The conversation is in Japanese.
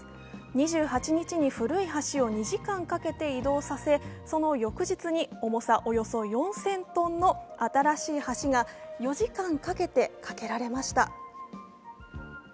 ２８日に古い橋を２時間かけて移動させその翌日に重さおよそ４０００ｔの新しい橋が４時間かけて架けられました。